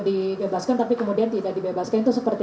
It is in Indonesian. dibebaskan tapi kemudian tidak dibebaskan itu seperti